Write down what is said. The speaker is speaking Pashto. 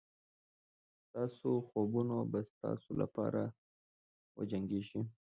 ستاسو خوبونه به ستاسو لپاره وجنګېږي.